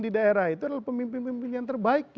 di daerah itu adalah pemimpin pemimpin yang terbaik